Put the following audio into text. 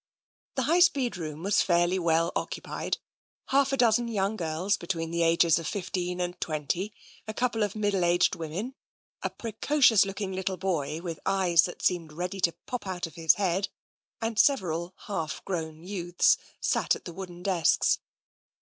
The High Speed room was fairly well occupied. Half a dozen young girls, between the ages of fifteen and twenty, a couple of middle aged women, a preco cious looking little boy with eyes that seemed ready to pop out of his head, and several half grown youths, sat at the wooden desks.